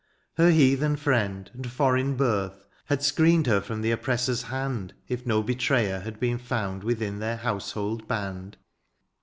Her heathen friend, and foreign birth. Had screened her from the oppressor's hand. If no betrayer had been found Within their household band.